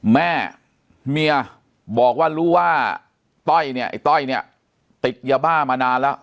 แม่เมียบอกว่ารู้ว่าต้อยเนี่ยติดยาบ้ามานานแล้ว